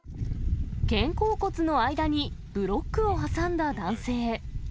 肩甲骨の間にブロックを挟んだ男性。